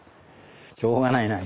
しょうがないな。